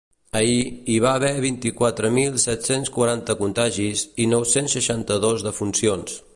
Ahir, hi va haver vint-i-quatre mil set-cents quaranta contagis i nou-cents seixanta-dos defuncions.